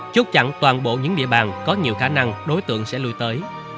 chúc chặn toàn bộ những địa bàn có nhiều khả năng đối tượng sẽ lùi tới